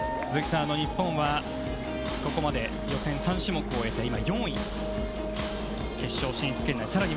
日本はここまで予選３種目を終えて、今は４位です。